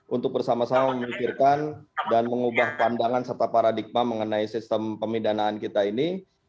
untuk bersama sama memikirkan dan mengubah pandangan serta paradigma mengenai sistem pemidanaan kita ini